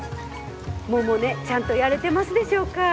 百音ちゃんとやれてますでしょうか？